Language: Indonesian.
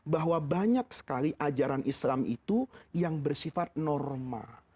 bahwa banyak sekali ajaran islam itu yang bersifat norma